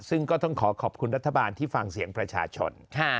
ซึ่งก็ต้องขอขอบคุณรัฐบาลที่ฟังเสียงประชาชน